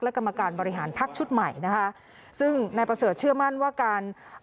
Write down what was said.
กรรมการบริหารพักชุดใหม่นะคะซึ่งนายประเสริฐเชื่อมั่นว่าการ